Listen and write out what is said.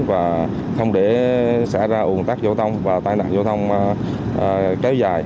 và không để xảy ra ủng tác giao thông và tai nạn giao thông kéo dài